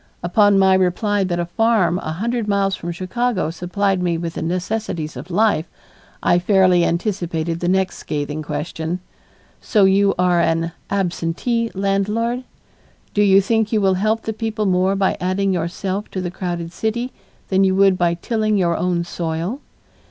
Upon my reply that a farm a hundred miles from Chicago supplied me with the necessities of life, I fairly anticipated the next scathing question: "So you are an absentee landlord? Do you think you will help the people more by adding yourself to the crowded city than you would by tilling your own soil?"